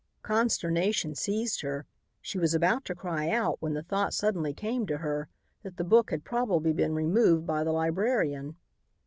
_ Consternation seized her. She was about to cry out when the thought suddenly came to her that the book had probably been removed by the librarian.